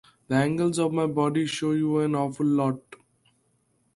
The angles of my body show you an awful lot.